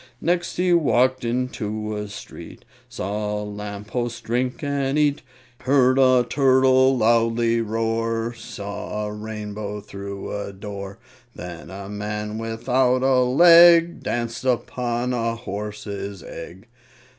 Next he walked into a street, Saw a lamp post drink and eat, Heard a turtle loudly roar, Saw a rainbow through a door. Then a man without a leg Danced upon a horse's egg.